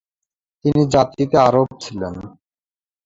তিনি জাতিতে আরব ছিলেন।